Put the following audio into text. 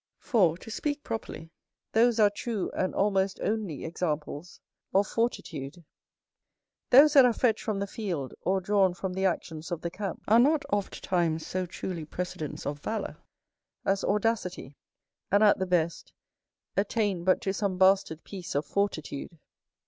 For, to speak properly, those are true and almost only examples of fortitude. Those that are fetched from the field, or drawn from the actions of the camp, are not ofttimes so truly precedents of valour as audacity, and, at the best, attain but to some bastard piece of fortitude.